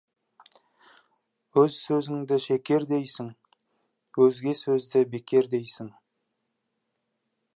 Өз сөзіңді шекер дейсің, өзге сөзді бекер дейсің.